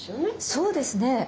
そうですね。